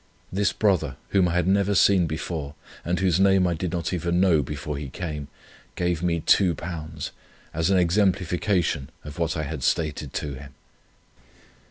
This brother, whom I had never seen before; and whose name I did not even know before he came, gave me £2, as an exemplification of what I had stated to him."